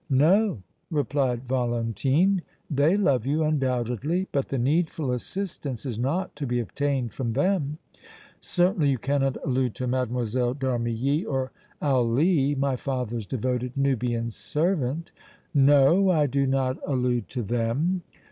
"No," replied Valentine. "They love you, undoubtedly, but the needful assistance is not to be obtained from them." "Certainly you cannot allude to Mlle. d' Armilly or Ali, my father's devoted Nubian servant?" "No, I do not allude to them!"